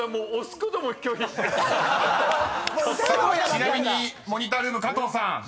［ちなみにモニタールーム加藤さん］